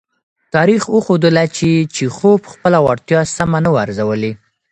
تاریخ وښودله چې چیخوف خپله وړتیا سمه نه وه ارزولې.